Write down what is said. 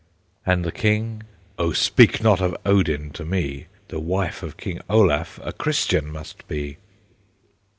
And the King: "O speak not of Odin to me, The wife of King Olaf a Christian must be."